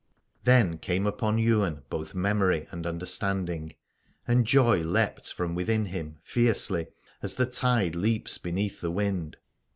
Then came upon Ywain both memory and understanding: and joy leapt from within him fiercely, as the tide leaps beneath the wind.